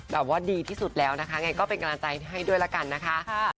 แบบว่าดีที่สุดแล้วนะคะไงก็เป็นกำลังใจให้ด้วยละกันนะคะ